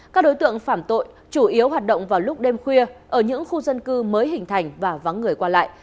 các đối tượng phạm tội chủ yếu hoạt động vào lúc đêm khuya ở những khu dân cư mới hình thành và vắng người qua lại